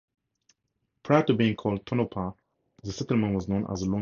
Prior to being called Tonopah, the settlement was known as Lone Peak.